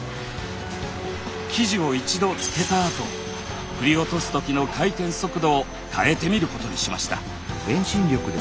生地を一度漬けたあと振り落とすときの回転速度を変えてみることにしました。